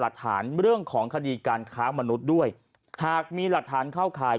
หลักฐานเรื่องของคดีการค้ามนุษย์ด้วยหากมีหลักฐานเข้าข่าย